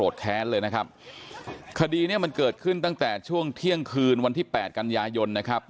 แค้นเลยนะครับคดีเนี้ยมันเกิดขึ้นตั้งแต่ช่วงเที่ยงคืนวันที่แปดกันยายนนะครับ